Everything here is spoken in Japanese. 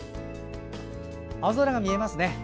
青空が見えますね。